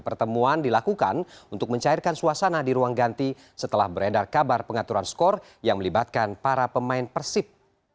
pertemuan dilakukan untuk mencairkan suasana di ruang ganti setelah beredar kabar pengaturan skor yang melibatkan para pemain persib